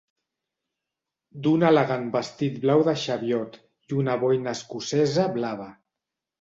Du un elegant vestit blau de xeviot i una boina escocesa blava.